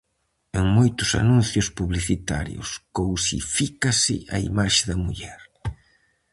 En moitos anuncios publicitarios cousifícase a imaxe da muller.